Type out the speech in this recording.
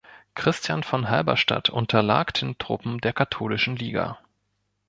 Christian von Halberstadt unterlag den Truppen der Katholischen Liga.